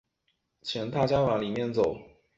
请大家往里面走